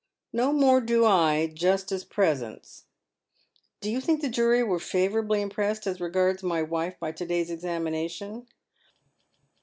" No more do I, just at present." " Do you think the jury were favourably impressed as regards my wife by to day's examination